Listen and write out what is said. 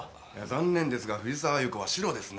残念ですが藤沢亜由子はシロですね。